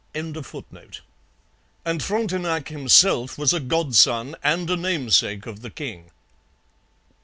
] and Frontenac himself was a godson and a namesake of the king.